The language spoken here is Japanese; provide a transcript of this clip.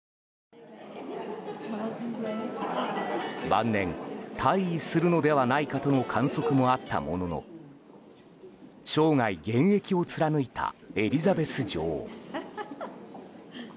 晩年、退位するのではないかとの観測もあったものの生涯現役を貫いたエリザベス女王。